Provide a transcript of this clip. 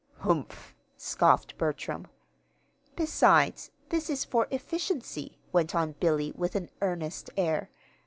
"Humph!" scoffed Bertram. "Besides, this is for efficiency," went on Billy, with an earnest air.